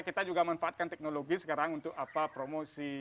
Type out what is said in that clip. kita juga menfaatkan teknologi sekarang untuk promosi